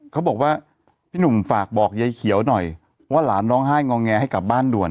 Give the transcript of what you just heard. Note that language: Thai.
เขาบอกว่าพี่หนุ่มฝากบอกยายเขียวหน่อยว่าหลานร้องไห้งอแงให้กลับบ้านด่วน